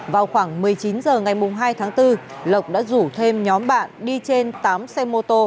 vào khoảng một mươi chín h ngày hai tháng bốn lộc đã rủ thêm nhóm bạn đi trên tám xe mô tô